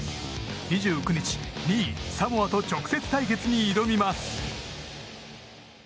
２９日、２位サモアと直接対決に挑みます。